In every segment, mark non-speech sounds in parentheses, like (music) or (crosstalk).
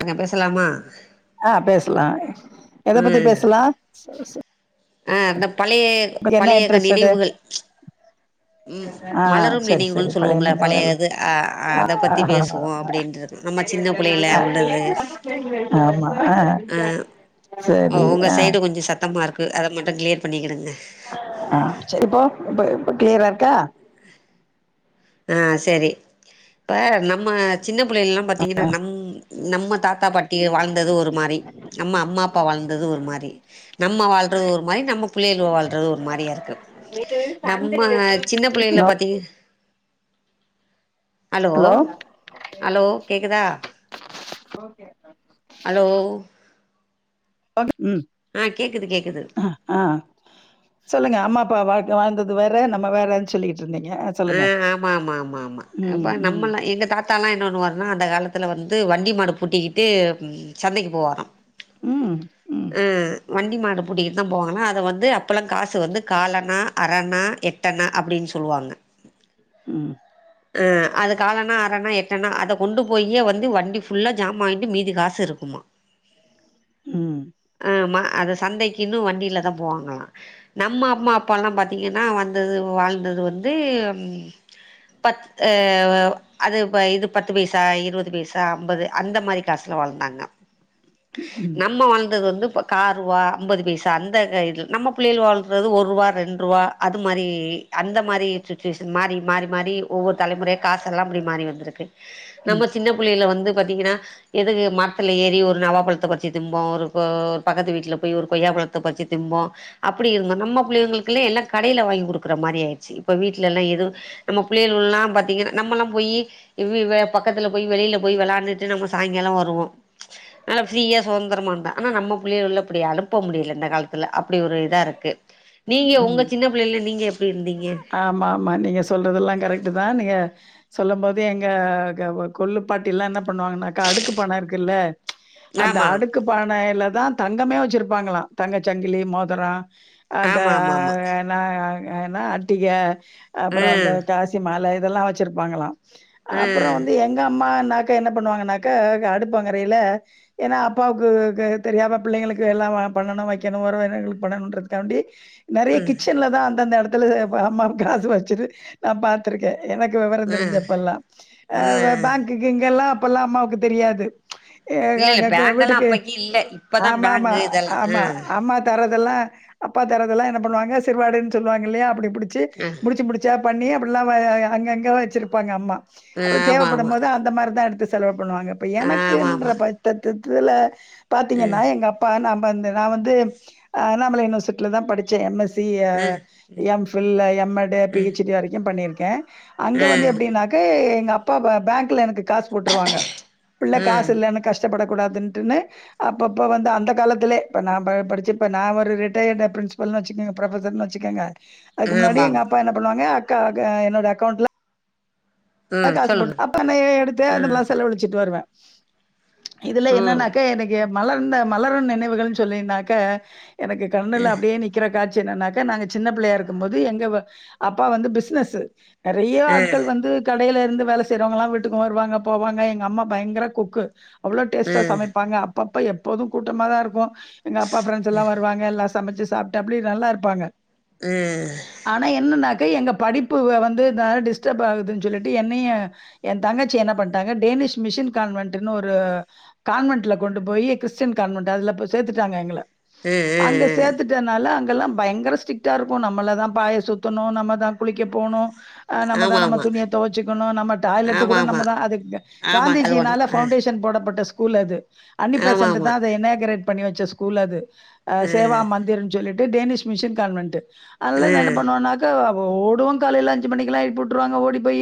அங்க பேசலாமா ஆ பேசலாம் எத பத்தி பேசலா (unintelligible) அ அந்த பழையே உங்களுக்கு என்ன பழையேக இன்ட்ரெஸ்டடு நினைவுகள் ச்சு உம் ஆ மலரும் சரி சரி நினைவுகள் பழைய சொல்லுவோம்ல நினைவுகள் பழையது அஹ் ஆ அத பத்தி பேசுவோம் அப்படின்ற நம்ம சின்ன பிள்ளையில உள்ளது ஆமா ஆ அஹ் உ சரி உங்க ஆ சைடு கொஞ்சோ சத்தமா இருக் அத மட்டும் கிளியர் பண்ணிக்கிடுங்க ஆஹ் செரி இப்போ இப்ப இப்ப கிளியரா இருக்கா ஆஹ் செரி இப்ப நம்ம சின்ன பிள்ளைகயெல்லா பாத்திங்கன்னா நம் நம்ம தாத் தாத்தா பாட்டி வாழ்ந்தது ஒரு மாறி நம்ம அம்மா அப்பா வாழ்ந்தது ஒரு மாறி நம்ம வாழ்றது ஒரு மாறி நம்ம பிள்ளைக வாழ்றது ஒரு மாறியா இருக்கு நம்ம சின்ன பிள்ளைகள ஹலோ பாத்தீ ஹலோ ஹலோ கேக்குதா ஹலோ (unintelligible) உம் ஆ கேக்குது கேக்குது ஆ ஆ சொல்லுங்க அம்மா இப்ப வாழ்க வாழ்ந்தது வேற நம்ம வேறன்னு சொல்லிரு ஆஹ் ஆமா ஆமா ஆமா ஆமா ம் அப்ப ம் நம்ம எல்லா எங்க தாத்தா எல்லா என்ன பண்ணுவாருன்னா அந்த காலத்துல வந்து வண்டி மாடு பூட்டிக்கிட்டு ம் சந்தைக்கு போவாரா ம் ம் உ வண்டி மாடு பூட்டிக்கிட்டுதா போவாங்கன்னா அத வந்து அப் அப்பெல்லா காசு வந்து காலண்ணா அரணா எட்டணா அப்படின்னு சொல்லுவாங்க ம் அஹ் அது காலனா அரணா எட்டணா அத கொண்டு போயே வந்து வண்டி ஃபுல்லா ஜாமான் வாங்கிட்டு மீதி காசு இருக்குமா உம் ஆமா அத சந்தைக்குன்னும் வண்டியில தான் போவாங்களாம் நம்ம அம்மா அப்ப எல்லா பாத்தீங்கன்னா வந்தது வாழ்ந்தது வந்து பத் அஹ் அ அது இப்ப இது பத்து பைசா, இருபது பைசா, அம்பது அந்த மாறி காசுல வாழ்ந்தாங்க ம் நம்ம வாழ்ந்தது வந்து ப்ப காரூவா, அம்பது பைசா அந்த இதில் நம்ம பிள்ளைகள் வாழ்றது ஒருவா, ரெண்ட்ரூவா அது மாறி அந்த மாறி சுட்டுவேஷன் மாறி மாறி மாறி ஒவ்வொரு தலைமுறையா காசெல்லா அப்டி மாறி வந்திருக்கு ம் நம்ம சின்ன பிள்ளையில வந்து பாத்தீங்கன்னா எதுக்கு மரத்துல ஏறி ஒரு நவாப்பழத்தை பறிச்சு திம்போம் ஒரு ஒர் பக்கத்து வீட்ல போய் ஒரு கொய்யா பழத்தை பறிச்சி திம்போம். அப்படி இருந்தம் நம்ம பிள்ளைங்களுக்குல்லே எல்லாக் கடைல வாங்கி குடுக்கு டுகிரமாரி யாயிருச்சி ப்ப வீட்லல்லாம் எதும் நம்ம ப் புள்ளேளலாம் பாத்திங்கன்னா நம்மெல்லாம் போயி இவ்வ இவ பக்கத்துல போயி வெளியில போய் வெளையாண்டுட்டு நம்ம சாயங்காலம் வருவோம். நல்லா ப்ரீயா சுதந்திரமா இருந்தம். ஆனா நம்ம ப் பிள்ளைவளை அப்டி அனுப்ப முடியல இந்த காலத்தில ல்ல அப்படி ஒரு இதா இருக்கு. நீங்க ம் ம் உங்க சின்ன பிள்ளைல நீங்க எப்படியிருந்தீங்க. ஆ கரெக்ட் தா நீங்க சொல்லும் போதே எங்க க அ கொள்ளுப்பாட்டியெல்லாம் ன்ன ன்ன பண்ணுவாங்கனாக்கா அடுக்கு பானருக்குல்ல அந்த ஆமா அடுக்கு பானையில்ல தா தங்கமே வச்சிருப்பாங்களாம் தங்க சங்கிலி மோதரம் அத ஆமா ஆமா ஆமா அ நா ஏன்னா அட்டிக ஆ அப்றம் அந்த காசிமால இதெல்லாம் வச்சிருப்பாங்களாம் ஆ அப்புறம் வந்து எங்க அம்மான்னா க என்ன பண்ணுவாங்கனாக்க அடுப்பாங்கரையில ஏனா அப்பாவுக்கு தெரியாம பிள்ளைங்களுக்கு எல்லா வா பண்ணணு வைக் கனு (unintelligible) பண்ணனுன்றதுக்காண்டி நெறைய கிச்சன்லதா அந்தந்த எடத் த்துல அம்மா ஆமா காசு வச்சது நா பாத்திருக்கே எனக்கு வெவரோ ஆ தெரிஞ்சப்பல்லா ஆ எ பேங்குக்கு இங்கெல்லா ப்பல்லா அம்மாவுக்கு தெரியாது எ இல்ல இல்ல அங்க வீட்டுக்கு பேங்க்கலாம் அப்பக்கி இல்ல இப்பதா பேங்கு இதெல்லா ம் அப்ப தரதெல்லா அப்பா தரதெல்லா என்ன பண்ணுவாங்க சிறுவாடுன் சொல்லுவாங்க இல்லயா அப்டி முடிச்சு ஆ முடிச்சு முடிச்சா பண்ணி அப்பிட்லா வா அங்கங்க வச்சிருப்பாங்க அம்மா ஆ, அப்புரோ ஆமா ஆமா தேவப்படும்போது அந்த மாரிதா எடுத்து சலோ பண்ணுவாங்க இப்ப எனக்கு ஆமா என்ற ஆமா பத்தத்தை இல பாத்தீங்கன்னா ம் எங்க அப்பா நான் பந்த நான் வந்து அண்ணாமலை யுனிவர்சிட்டில தான் படிச்சேன் எம் எஸ் பி ம் M Phil M Ed P H D வரைக்கும் பண்ணிருக் க அங்க வந்து ம் எப்படின்னாக்க எங் அப்பா பேங்க்ல எனக்கு காசு போட்டுருவாங்க பிள்ள ம் காசு இல்லன்னு கஷ்டப்பட கூடாதுட்டுன்னு அப்பப்ப வந்து அந்த காலத்திலே இப்போ நான் படிச்ச இப்ப நான் ஒரு ரிட்டயர்டு் பிரின்சிபல்னு வச்சுக்கே பரபசர்னு வெச்சுக்கோங்க அதுக்கு ஆமா முன்னாடி எங்க ஆமா அப்பா என்ன பண்ணுவாங்க என்னோட அக்கௌண்ட்ல ம் காசு சொல்லுங்க போட்டு அப்பண்ணைய எடுத்து ம் அந்தம செலவு அழிச்சிட்டு வருவேன் இதுல ம் என்னன்னாக்கா எனக்கு மலர்ந்த மலரும் நினைவுகள் சொல்லியிருந்தாக்க எனக்கு கண்ணுல அப்படியே நிக்கிற காட்சி என்னன்னாக்க நாங்க சின்ன பிள்ளையா இருக்கும்போது எங்க அப்பா வந்து பிசினஸ் நெறைய ம் ஆட்கள் வந்து கடையில இருந்து வேல செய்றவங்கல்லாம் வீட்டுக்கு வருவாங்க போவாங்க எங்க அம்மா பயங்கர குக்கு அவ்வளோ டேஸ்ட ம் சமைப்பாங்க அப் அப்பப்போ எப்போதும் கூட்டமா தான் இருக்கும் எங்க அப்பா பிரரெண்ட்ஸ் எல்லாம் வருவாங்க எல்லா சமைச்சு சாப்பிட்டு அப்படி நல்லா இருப்பாங்க ம் ஆனா என்னன்னாக் எங்க படிப்பு வந்து டிஸ்டர்ப் ஆகுது சொல்லிட்டு என்னய என் தங்கச்சி என்ன பண்டாங்க (unintelligible) மிஷன் காண்வென்டுனு ஒரு கான்வெட்ல கொண்டு போய் கிறிஸ்டியன் கான்வேன்ட் கொண்டு போயி கிறிஸ்டியன் கான்வென்ட் அதுல சேத்துட்டாங்க எங்கல அ அ அங்க சேத்துட்டனால அங் ல்லாம் பயங்கர ஸ்ட்ரிக்டா இருக்கும் நம்மள தான் பாய சுத்தணும் நம்ம தான் குளிக்க போணும் ஆஹ் அ நம ஆமா தான் நம ஆமா துனியா வெச்சுக்கணும் நம்ம டாய்லெட் ஆமா கூட ஆமா நம்ம தான் அது ஆமா கழுவணு காந்திஜியினால அ பவுண்டேஷன் போட பட்ட ஸ்கூல் அது அன்னி ஆமா ஆமா பேசன்ட்தா அத இன்னகிறட் பண்ணி வச்ச ஸ்கூல் அது அ சேவா மந்திர் சொல்லிட் டே டேனிஷ் மிஷின் கான்வென்ட் அதனால அ நா என்ன பண்ணுவனாக்க ஓடுவோ காலேல அஞ்சு மணிக்கலா எழுப்பி வுட்ருவாங்க ஓடி போய்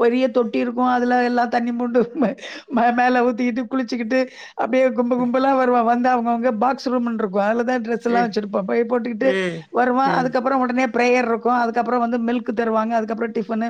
பெரிய தொட்டி இருக்கு அதுல எல்லாம் தண்ணி மூண்டு மே மேல ஊத்திகிட்டு குளிச்சிகிட்டு அப்டியே கும்ப கும்பல்லா வருவா வந் அவுங்க அவுங்க பாக்ஸ் ரூம்னு இருக்கு அதுல தா டிரெஸ் எல்லா ம் வச்சிருப்போ பைய போட்டுகிட்டு ம் வருவான் ம் அதுக்கப்பறம் உடனே பிரேயர் இருக்கு அதுக்கப்பறம் வந்து மில்க் தருவாங்க அதுக்கப்பறம் டிஃபனு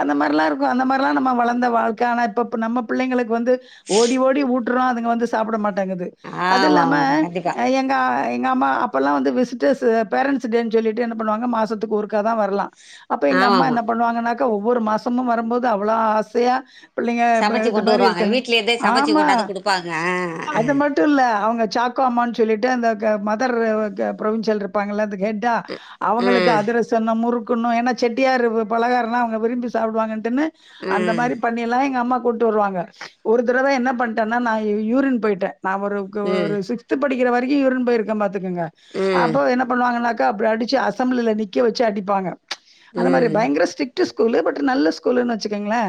அந்த மாரிலா இருக்கு அந்த மாரிலா நம்ம வளந்த வாழ்க்க ஆனா இப்ப நம்ம பிள்ளைகளுக்கு வந்து ஓடி ஓடி ஊட்டுறோ அதுங் வந்து சாப்ட மாட் டங்குது அது ஆமா இல்லாம ஆமாமா கண்டிப்பா எங்க எங்க அம்மா அப்போலா வந்து விசிட்டர்ஸ் பேரன்ட்ஸ் டேன்னு சொல்லிட்டு என்ன பண்ணுவாங்க மாசத்துக்கு ஒருக்கா தா வரலா அப்ப எங்க ஆமா அம்மா ஆமா என்ன பண்ணுவாங்கன்னா ஒவ்வொரு மாசமும் வரும்போது அவ்ளோ ஆசையா பிள்ளைங்க இப்ப சமைச்சு இது கொண்டு மாதிரி வருவாங்க இருக்க வீட்ல இருந்தே சமைச்சு ஆமா கொண்டாந்து குடுப்பாங்க அ அ அது மட்டும் இல்ல அவ்ங்க சாக்கோ அம்மான்னு சொல்லிட்டு அந்த மதர் (unintelligible) ப்ரவின்சல் இருப்பாங்கள அந்த ஹெட்டா அவங்களுக்கு ம் அதிரசன்ன முறுக் குண்ணு ஏன்னா செட்டியார் பலகாரனா அவுங்க விரும்பி சாப்டுவாங்கட்ன்னு அந்த ம் மாரி பண்ணிலா எங்க அம்மா போட்டு வருவாங்க ஒரு தடவ என்ன பண்ட்டன்னா நான் யூரின் போயிட்டே நா ஒரு ம் ஒரு சிக்ஸ்த் ப முடிக்கற வரைக்கு யூரின் போயிருக்க பாத்து துக்கங்க ம் ம் அப்போ என்ன பண்ணுவாங்கன்னா (unintelligible) அடிச்சி அசம்பிளில நிக்க வச்சி அடிப்பாங்க ச் அந்த மாரி பயங்கர ஸ்ரிக்ட் டு ஸ்கூலு பட் நல்ல ஸ்கூல்ன்னு வச்சுக்கோங்களே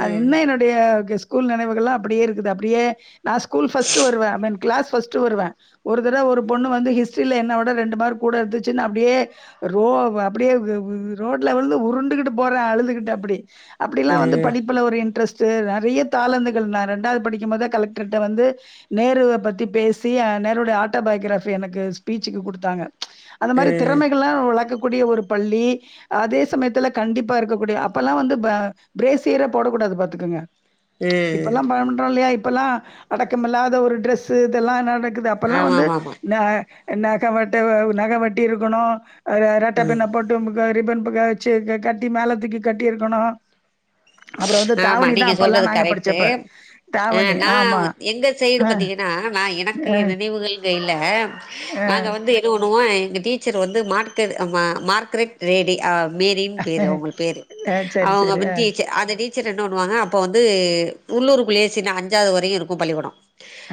அது ம் இன்னு என்னுடைய கெஸ் ஸ்கூல் நினைவுகள்ளா அப்டியே இருக்குது அப்டியே நான் ஸ்கூல் ஃபஸ்ட் வருவே க்ளாஸ் ஃபஸ்ட்டு வருவே ஒரு தடவ ஒரு பொண்ணு வந்து ஹிஸ்ட்ரில என்ன விட ரெண்டு் மார்க் கூட எடுத்துச்சுன்னு அப்டியே ரோ அப்டியே ரோட்ல உழுந்து உருண்டுகுட்டுப் போறே அழுதுகுட்டு அப்டி அப்புடிலா வந்து ம் படிப்புல ஒரு இன்ட்ரெஸ் து நெறைய தாளந்துகள் நா ரெண்டாது படிக்கும் போதே கலெக்டர்ட வந்து நேருவ பத்தி பேசி அ நேருடைய ஆட்டோபயோக்ராஃபி எனக்கு ஸ்பீச்சுக்கு குடுத்தாங்க அந்த மாரி ம் திறமைகள்லா ஒழாக்கு குடிய ஒரு பள்ளி அதே சமயத்துல கண்டிப்பா இருக்கக்கூடிய அப்பல்லா வந்து ப ப்ரேசியர போடக்கூடாது பாத்துக்கங்க ம் இப்பல்லாம் (unintelligible) இல்லயா இப் ப்பல்லா அடக்கமில்லாத ஒரு டிரஸ்ஸு இதெல்லா நடக் குது அப்பல்லா ஆமா வந்து ஆமா ஆமா ந நகம் வெட்ட நகோ வெட்டி இருக்கணு அ ரெட்ட ம் பின்ன போட்டுமுக்க ரிப்பன் பக்க வெச்சு கட் கட்டி மேலத்தூக்கி கட்டி இருக்கணு ஆமா நீங்க சொல்றது கரெட்டு படிச்சப்ப. ஆ தாவணி நா ஆமா. எங்க சைடு அ, பத்தீங்கனா நா எனக்கு அ, நினைவுகள் வே இல்ல நாங்க வந்து எதோ ஒன் வோ எங்க டீச்சர் வந்து மாட்கர் மார்க்கரெட் ரேடி அ மேரின் பேரு அ. அவுங்கள் பேரு ஆ சரி அவுங்க சரி ஆ வன் டீச்சர் அந்த டீச் சர் என்ன பண்ணுவாங்க அப்ப வந்து உள்ளூருக்குள்ளயே சின்ன அஞ்சாவது வரையுருக்கு பள்ளிக்கூடோ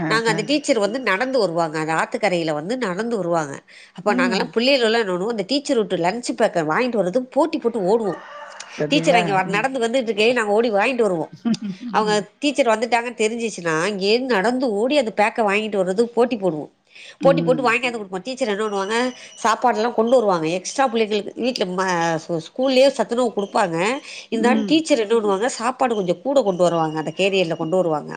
ஆ நாங்க ஆ அந்த டீச்சர் வந்து நடந்து வருவாங்க அந்த ஆத்துக்கரையில வந்து நடந்து வருவாங்க அப்பா ம் நாங்கெல்லா புள்ளைகலெல்லா நானு அந்த டீச்சர் உட்டு லஞ்ச்சு பேக்க வாங்கிட்டு வர்றதுக்கு போட்டி போட்டு ஓடுவோ டீச்சர் பாத்தீங்களா அங்கெ வ ம் நடந்து வந்துட்டு கே நாங்க ஓடி வாயின்ட்டு வருவோ அவுங்க டீச்சர் வந்துட் டாங்கனு தெரிஞ்சுச்சுன்னா இங்கேந் நடந்து ஓடி அந்த பேக்க வாங்கிட்டு வர்றது போட்டி போடுவோ போட்டி போட்டு ம் வாங்கியாந்து குடுப்போ டீச்சர் என்ன பண்ணுவாங்க சாப்பாடெல்லா கொண்டு வருவாங்க எக்ஸ்ட்ரா புள்ளைங்களுக்கு வீட்ல ம ஸ்கூல்லயே சத்துணவு குடுப்பாங்க இருந்தாலு உம் டீச்சர் என்ன பண்ணுவாங்க சாப்பாடு கொஞ்சோ கூட கொண்டு வருவாங்க அந்த கேரியர்ல கொண்டு வருவாங்க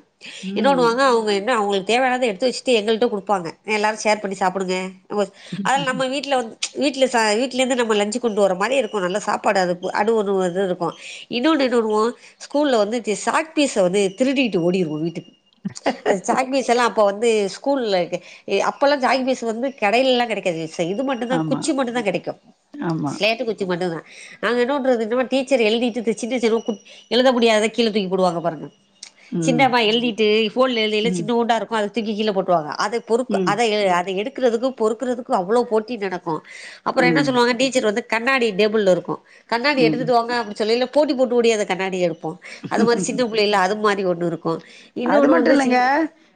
என்ன ம் பண்ணுவாங்க அவுங்க என்ன அவுங்களுக் தேவையானாத எடுத்து வெச்சுட்டு எங்கள்ட்ட குடுப்பாங்க அ எல்லாரு ஷேர் பண்ணி சாப்புடுங்க ஒ அத நம்ம ம் வீட்ல வந்து வீட்டுல சா வீட்லெந்து நம்ம லஞ்சு கொண்டு வற மாரி இருக்கூ நல்ல சாப்பாடு அது. அது ஒன்னு வந்து இருக்கூ இன்னொன்று என்ன பன்றுவோ ஸ்கூல்ல வந்து இ சாக்பீஸ வந்து திருடிட்டு ஓடிருவோ வீட்டுக்கு. அது சாக்ப்பீஸ் எல்லா அப்ப வந்து ஸ்கூல்ல இக்கே எ அப்பெல்லா ஜாக்பீஸ் வந்து கடையிலல்லா கெடைகாது. இது மட்டு தா ஆமா குச்சி மட்டு தா கெடைக்கு. ஆமா சிலேட்டு குச்சி மட்டுதா. நாங்க என்ன பன்றது நம்ம டீச்சர் எழுதிட்டுருக்கு (inaudible) கு எழுத முடியாத கீழ தூக்கி போடுவாங்க பாருங்க. ம் சின்னம்மா எழுதிட்டு போட்ல எழுத எழுத ம் சின்னூன்டா இருக்கு அததூக்கி கீழ போடட. போஹா, அது பொறுக்கு ம் அத எ அதை எடுத் க்கிறதுக்கு பொறுக்குறது அவ்வளோ போட்டி நடக்கு அப்புறோ என்ன சொல்லுவாங்க டீச்சர் வந்து கண்ணாடி டேபிள்ல இருக்கு. கண்ணாடிய ம் எடுத்துட்டு வாங்க அப்படிச் சொல்லையில. போட்டி போட்டு ஓடியு அந்த கண்ணாடிய எடுப் ஒண்ணு இருக்கு அது இன்னொன்னு மட்டு வந்து இல்லைங்க சின்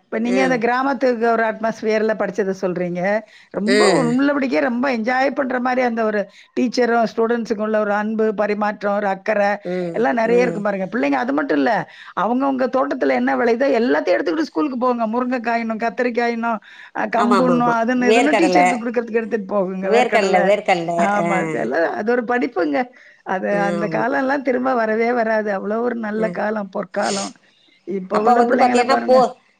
இப்ப நீங்க அந்த ம் கிராமத்துக்கு ஒரு அட்மாஸ்பியர்ல படிச்சத சொல் டுறீங்க ரொம்ப ம் ஒன்னுல புடிக்கே ரொம்ப எஞ் ஜாய் பண்ற மாரி அந்த ஒரு டீச்சரு ஸ்டுடெண்ஸ் குள்ள ஒரு அன்பு பரிமாற்றோ ஒரு அக் அக்கர ம் எல்லா நெறைய ம் இருக்கு பாருங்க. அது மட்டு இல்ல. அவுங்கவுங்க தோட்டத்துல என்ன வெளையுதோ எல்லாத்தையு எடுத்துக்கிட்டு ஸ்கூலுக்கு போங்க முருங்ககாயினு கத்தரிக்காயினு ஆ ஆமா ஆமா கம்புனு ஆமா அதுன்னு இதுனு வேர்க்கடல டீச்சருக்கு குடுக்கறதுக்கு எடுத்துட் போவங்க வேர்க்கடல வேர்க்கடல ஆ ஆமா அதெல்லா அது ஒரு படிப்புங்க அது அந்த கால எல்லா திரும்ப வரவே வரா. (unintelligible) அ இப்ப அப்ப உள்ள வந்து பிள்ளைங்கள பாத்தீன்னா பாருங்க. போ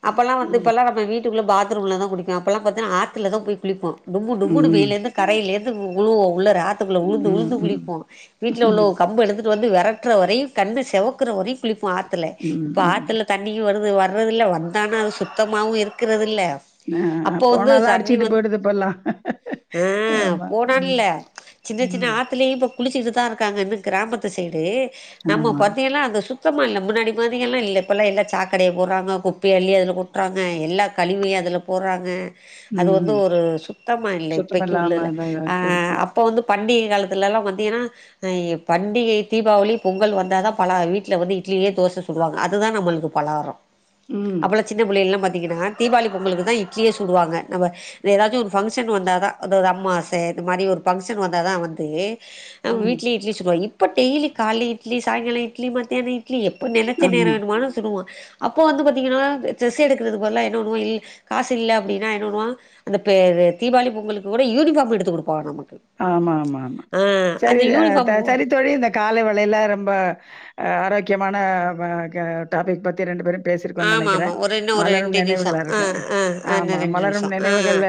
அப்பல்லா வந்து ம். இப்பல்லா நம்ம வீட்டுக்குள்ள பாத்ரூம்ல தா குளிக்கு அப்பலா பாத்தா ஆத்துல தா போய் குளிப்போ டொம்மு டொம்முனு வெயில ம். இருந்து கரையில இருந். (unintelligible) இவ்ளோ உள்ள ரா ஆத்துக்குள்ள உழுந்து ம். உழுந்து ம். குளிப்போ வீட்ல உள்ள ம். கம்பு எடுத்து து வந்து வெரட்ற வரை கண்ணு செவக். இக்குர வரை குளிப் இப்போ ஆத்துல ம். இப்போ ம். ஆத்துல தண்ணியு வரு. இப்போ வர்றதில்ல வந்தானா அது சுத்தமாவு இருக்கிறது இல்ல. ஆ ஆ ஆ போன எல்லா அடிச்சிட்டு போயிடுது இப்பெல்லா ஆ ஆமா ம் போனான்ல ம் குளிச்சிட்டு தா இருக்காங்கன்னு கிராமத்து சைடே ஆமா இப்பலா அந்த சுத்தமா இல்ல முன்னாடி மாதிரிலா இல்ல இப்போல்லா எல்லா சாக்கடைய போடுறாங்க குப்பை அள்ளி அதுல கொட்டுறாங்க எல்லா கழிவையு அதுல போறாங்க அது வந்து ம். ஒரு சுத்தமா இல்ல சுத்தம் இப்பைக்கு இல்லாம உள்ள தான் அ இருக்கு இருக்கு. அப்ப வந்து பண்டிக காலத்துல எல்லா பாத்தீங்னா ஆ பண்டிகை தீபாவளி பொங்கல் வந்தா தா பல வீட்டில வந்து இட்லியே தோச சுடுவாங்க அதுதா நம்மளுக்கு பலாரம் ம். அப்பல்லா சின்ன பிள்ளையெல்லா பாத் திங்குதுங்க தீபாளி பொங்கலுக்கு தா இட்லியே சுடுவாங்க நம்ம ஏதாச்சும் ஃபங்க்ஷன் வந்தா தா (unintelligible) அம்மாச இது மாத்ரி ஒரு ஃபங்க்ஷன் வந்தாதா வந்து அ ம். வீட்லியே இட்லி சுடுவாங் இப்ப டெய்லி கால்ல இட்லி சா சாங்கால இட் ட்லி மத்தியான இ ட்லி எப்போ நெனச்ச நேர ஆமா. வேணும் ஆனாலு சுடுவோ அப்போ வந்து பாத்தீங்கன்னா ட்ரஸ் எடுக்கிறது பதலா என்ன பண்ணுவோ இல் காசு இல்ல அப்டின்னா என்ன பண்ணுவோ அந்த பெ தீபாளி பொங்கலுக்கு கூட யூனிஃபார்ம் எடுத்து குடுப்ப நமக் ஆமா ஆமா ஆமா சரி யூனிஃபார்ம் (unintelligible) சரி தோழி இந்த காலை வேளையில ரொம்ப ஆரோக்கியமான வா க டாபிக் பத்தி ரெண்டு பேரும் பேசிருக்கோ ஆமா நெனைக்கிறே ஆமா ஒரு இன்னு ஒரு மலரும் ரெண்டு நிமிஷோ நினைவுகளா ஆ இருக்கும் ஆ ஆ ஆமா இன்னு ரெண்டு மலரும் நிமிஷோ ஆ நினைவுகள்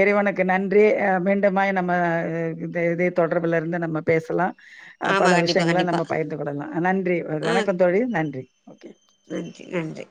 இறைவனுக்கு நன்றி (unintelligible) நம்ம இ இதே இதே தொடர்புலருந்து நம்ம பேசுலாம் ஆமா பல கண்டிப்பா விஷ்யங்கள கண்டிப்பா நம்ம பகிர்ந்து கொள்ளலாம் நன்றி ஆ வணக்கம் தோழி நன்றி ஓகே. நன்றி நன்றி